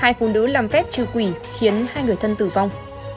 hai phụ nữ làm phép trừ quỷ khiến hai người thân tử vong